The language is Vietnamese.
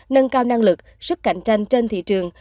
nâng cao năng lực sức cạnh tranh trên thị trường